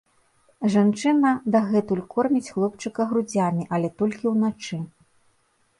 Жанчына дагэтуль корміць хлопчыка грудзямі, але толькі ўначы.